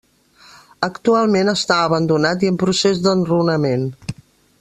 Actualment està abandonat i en procés d'enrunament.